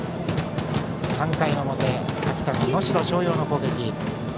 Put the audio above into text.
３回の表、秋田の能代松陽の攻撃。